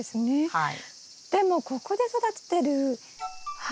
はい。